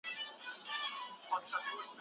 ما ته په دې وېش کې هیڅ برخه نه ده ورکړل شوې.